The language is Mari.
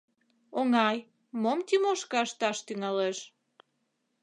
Оҥай, мом Тимошка ышташ тӱҥалеш.